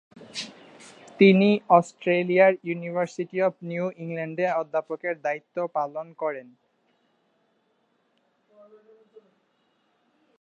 তিনি অস্ট্রেলিয়ার university of New ইংল্যান্ডে অধ্যাপকের দায়িত্ব পালন করেন।